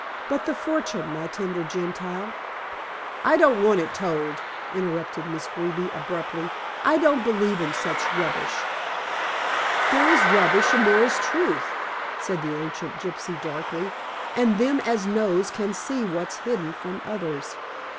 But the fortune, my tender Gentile " "I don't want it told," interrupted Miss Greeby abruptly. "I don't believe in such rubbish." "There is rubbish and there is truth," said the ancient gypsy darkly. "And them as knows can see what's hidden from others."